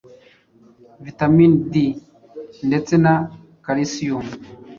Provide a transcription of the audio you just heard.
Vitamini D ndetse na Kalisiyumu